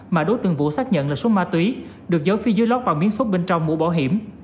mà đối tượng vũ xác nhận là số ma túy được giấu phía dưới lót vào miếng sốt bên trong mũ bảo hiểm